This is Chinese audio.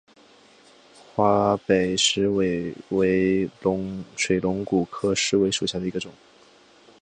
华北石韦为水龙骨科石韦属下的一个种。